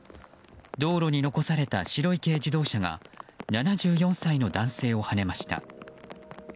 道路に残された白い軽自動車が７４歳の男性をはねました。